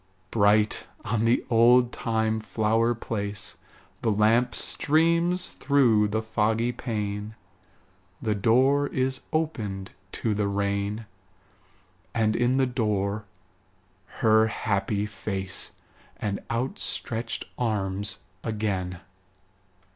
Bright on the oldtime flower place The lamp streams through the foggy pane; The door is opened to the rain: And in the door her happy face And outstretched arms again.